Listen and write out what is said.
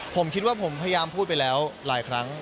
ผมคิดว่าผมพยายามพูดไปแล้วหลายครั้ง